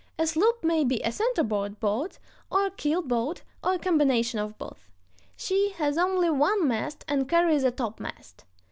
A sloop may be a center board boat, or a keel boat, or a combination of both. She has only one mast and carries a topmast.